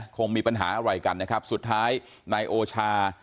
คงมีปัญหาอะไรกันนะครับสุดท้ายนายโอชา